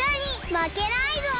まけないぞ！